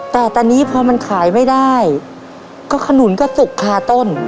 แต่ตอนนี้พอมันขายไม่ได้ก็ขนุนกระตุกคาต้น